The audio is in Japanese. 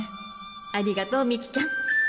ありがとうミキちゃん。